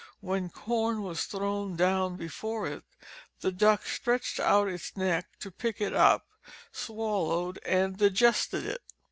When corn was thrown down before it, the duck stretched out its neck to pick it up, swallowed, and digested it.